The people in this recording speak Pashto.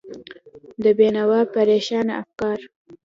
د بېنوا پرېشانه افکار